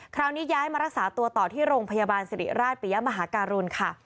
ย้ายมารักษาตัวต่อที่โรงพยาบาลสิริราชปิยมหาการุณค่ะ